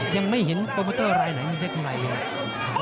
ยังไม่เห็นโปรแมตเตอร์รายไหนยังไม่ได้ขึ้นรายไหนนะ